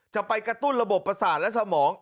จะไปกระตุ้นระบบประสาทและสมอง